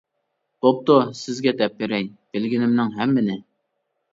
بوپتۇ سىزگە دەپ بېرەي، بىلگىنىمنىڭ ھەممىنى.